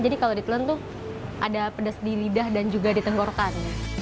jadi kalau ditelan tuh ada pedas di lidah dan juga di tenggorkan